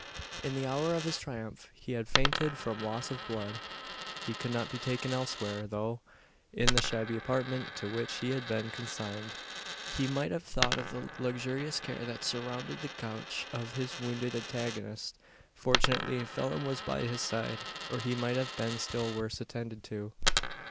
In the hour of his triumph, he had fainted from loss of blood. He could not be taken elsewhere; though, in the shabby apartment to which he had been consigned, he might have thought of the luxurious care that surrounded the couch of his wounded antagonist. Fortunately Phelim was by his side, or he might have been still worse attended to.